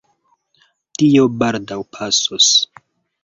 Tio baldaŭ pasos.